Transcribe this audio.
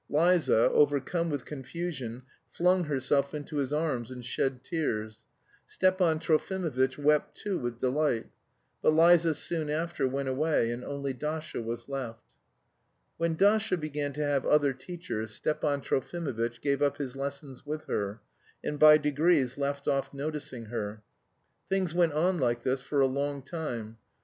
Liza, overcome with confusion, flung herself into his arms and shed tears; Stepan Trofimovitch wept too with delight. But Liza soon after went away, and only Dasha was left. When Dasha began to have other teachers, Stepan Trofimovitch gave up his lessons with her, and by degrees left off noticing her. Things went on like this for a long time.